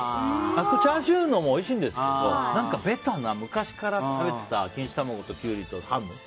チャーシューもおいしいんですけどベタな、昔から食べてた錦糸卵とキュウリとハム。